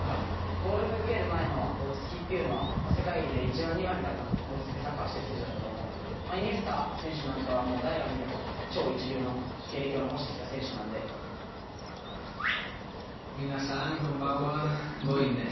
ボール受ける前の落ち着きっていうのは、世界で１番、２番に落ち着いてサッカーしてる選手だと思うので、イニエスタ選手なんかは、誰が見ても超一流の経歴を残してきた選皆さん、こんばんは。